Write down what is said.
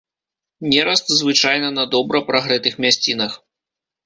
Нераст звычайна на добра прагрэтых мясцінах.